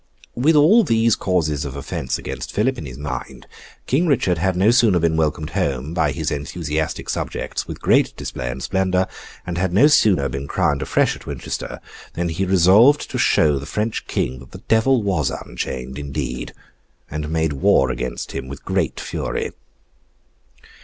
With all these causes of offence against Philip in his mind, King Richard had no sooner been welcomed home by his enthusiastic subjects with great display and splendour, and had no sooner been crowned afresh at Winchester, than he resolved to show the French King that the Devil was unchained indeed, and made war against him with great fury.